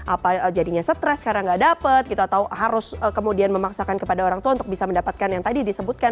apa jadinya stres karena nggak dapat gitu atau harus kemudian memaksakan kepada orang tua untuk bisa mendapatkan yang tadi disebutkan